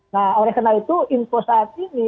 nah oleh karena itu info saat ini